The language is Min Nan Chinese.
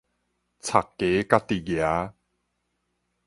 鑿枷家己夯